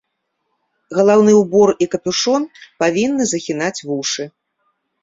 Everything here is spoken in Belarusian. Галаўны ўбор і капюшон павінны захінаць вушы.